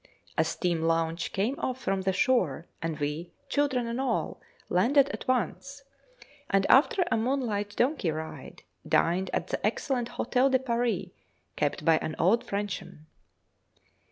A steam launch came off from the shore, and we (children and all) landed at once; and, after a moonlight donkey ride, dined at the excellent Hôtel de Paris, kept by an old Frenchman.